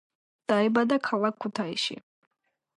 დაიბადა ქალაქ ქუთაისში.